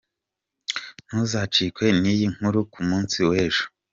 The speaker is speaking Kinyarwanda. Ntuzacikwe n’iyi nkuru ku munsi w’ejo.